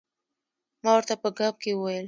ما ورته په ګپ کې وویل.